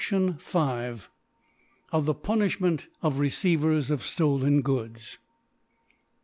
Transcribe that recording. V. Of the Punijhment of Receivers op STOLEN Goods.